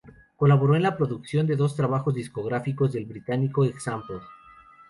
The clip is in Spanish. Colaboró en la producción en dos trabajos discográficos del británico Example.